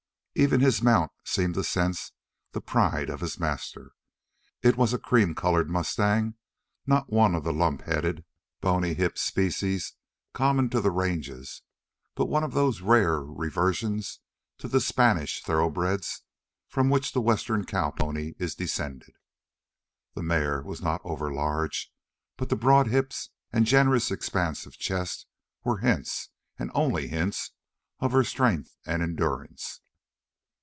Even his mount seemed to sense the pride of his master. It was a cream colored mustang, not one of the lump headed, bony hipped species common to the ranges, but one of those rare reversions to the Spanish thoroughbreds from which the Western cow pony is descended. The mare was not over large, but the broad hips and generous expanse of chest were hints, and only hints, of her strength and endurance.